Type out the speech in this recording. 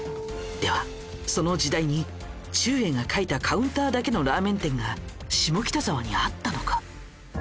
ではその時代にちゅうえいが描いたカウンターだけのラーメン店が下北沢にあったのか？